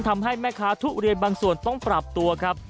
ทำให้แม่ค้าทุเรียนบางส่วนต้องปรับตัวครับ